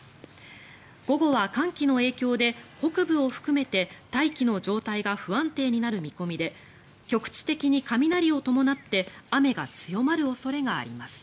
午後は寒気の影響で北部を含めて大気の状態が不安定になる見込みで局地的に雷を伴って雨が強まる恐れがあります。